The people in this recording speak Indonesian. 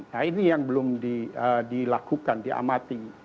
nah ini yang belum dilakukan diamati